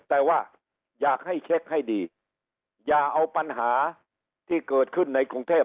แต่ว่าอยากให้เช็คให้ดีอย่าเอาปัญหาที่เกิดขึ้นในกรุงเทพ